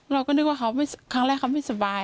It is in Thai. เราก็นึกว่าเขาครั้งแรกเขาไม่สบาย